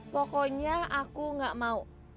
pokoknya aku gak mau